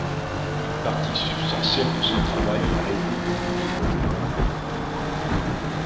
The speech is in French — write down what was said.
Une partie substantielle de son travail a été publié.